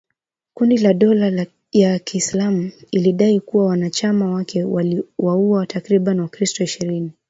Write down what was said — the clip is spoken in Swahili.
Kundi la dola ya kiislamu ilidai kuwa wanachama wake waliwauwa takribani wakristo ishirini.